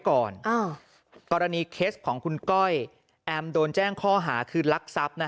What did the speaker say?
กรณีเคสของคุณก้อยแอมโดนแจ้งข้อหาคือลักทรัพย์นะ